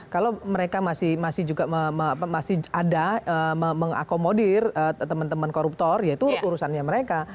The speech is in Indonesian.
kalau mereka masih juga masih ada mengakomodir teman teman koruptor yaitu urusannya mereka